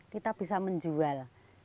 kita bisa menjual